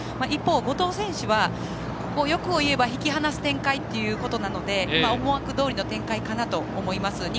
一方、後藤選手は欲を言えば引き離す展開なので思惑どおりの展開かなと思います。